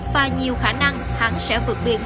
và nhiều khả năng hắn sẽ vượt biên